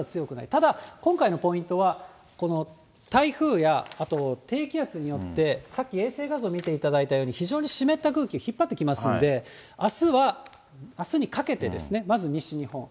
ただ、今回のポイントは、台風やあと低気圧によって、さっき衛星画像見ていただいたように、非常に湿った空気、引っ張ってきますんで、あすは、あすにかけてですね、まず西日本。